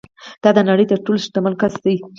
دا د نړۍ تر ټولو شتمن کس ده